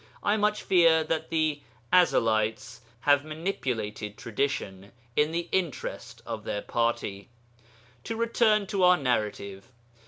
I much fear that the Ezelites have manipulated tradition in the interest of their party. To return to our narrative.